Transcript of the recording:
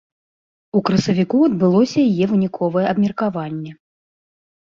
У красавіку адбылося яе выніковае абмеркаванне.